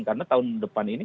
karena tahun depan ini